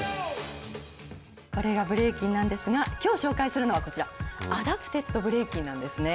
これがブレイキンなんですが、きょう紹介するのはこちら、アダプテッドブレイキンなんですね。